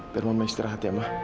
biar mama istirahat ya mah